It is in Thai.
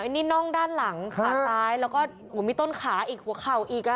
นี่น่องด้านหลังขาซ้ายแล้วก็มีต้นขาอีกหัวเข่าอีก